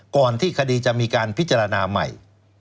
ก่อนที่คดีจะมีการพิจารณาใหม่